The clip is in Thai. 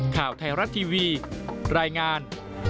ข่าวไทยรัฐทีวีรายงาน